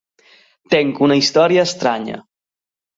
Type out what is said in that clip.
Tenc una història estranya.